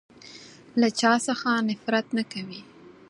له چا څخه نفرت نه کوی.